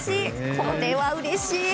これはうれしい！